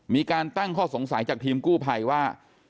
มีการตั้งข้อสงสัยจากทีมกู้ภัยว่า